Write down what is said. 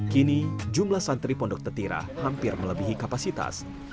kini jumlah santri pondok tetira hampir melebihi kapasitas